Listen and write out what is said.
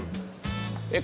えっ？